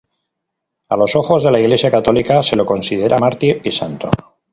A los ojos de la Iglesia católica, se lo considera mártir y santo.